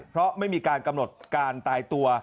เพราะไม่มีการกำหนดการตายตัว